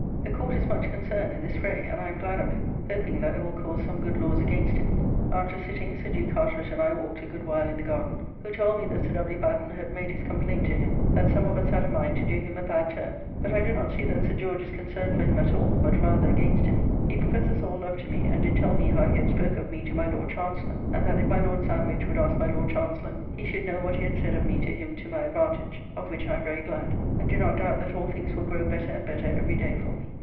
The Court is much concerned in this fray, and I am glad of it; hoping that it will cause some good laws against it. After sitting, Sir G. Carteret and I walked a good while in the garden, who told me that Sir W. Batten had made his complaint to him that some of us had a mind to do him a bad turn, but I do not see that Sir George is concerned for him at all, but rather against him. He professes all love to me, and did tell me how he had spoke of me to my Lord Chancellor, and that if my Lord Sandwich would ask my Lord Chancellor, he should know what he had said of me to him to my advantage, of which I am very glad, and do not doubt that all things will grow better and better every day for me.